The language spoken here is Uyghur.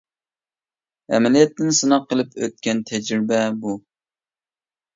ئەمەلىيەتتىن سىناق قىلىپ ئۆتكەن تەجرىبە بۇ.